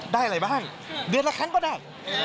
อะไรบ้างเดือนละครั้งก็ได้